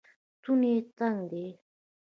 ستونی یې تنګ دی